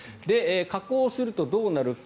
加工するとどうなるか。